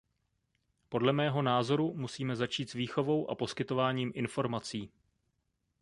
Podle mého názoru musíme začít s výchovou a poskytováním informací.